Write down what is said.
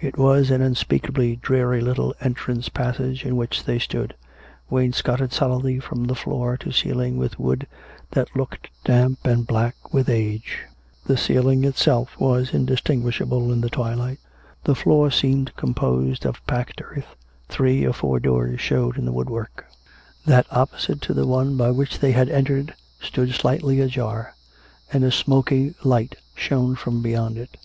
It was an unspeakably dreary little entrance passage in which they stood, wainscoted solidly from floor to ceiling with wood that looked damp and black from age; the ceil ing itself was indistinguishable in the twilight; the floor seemed composed of packed earth, three or four doors showed in the woodwork; that opposite to the one by which they had entered stood slightly ajar, and a smoky 238 COME RACK! COME ROPE! light shone from beyond it.